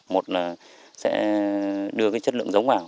một là sẽ đưa chất lượng giống vào